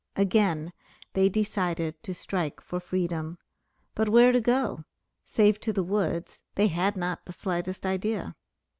Again they decided to strike for freedom, but where to go, save to the woods, they had not the slightest idea.